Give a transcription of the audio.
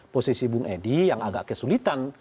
posisi bung edi yang agak kesulitan